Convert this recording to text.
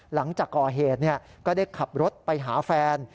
หลังจากก่อเหตุก็ได้ขับรถไปหาแฟน